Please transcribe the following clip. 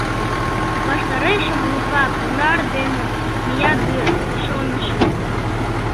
Ваштарешем Лука понар дене мия дыр, шонышым.